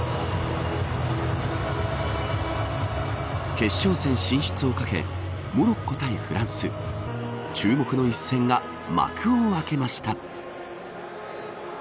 決勝戦進出をかけモロッコ対フランス注目の一戦が幕を開けました。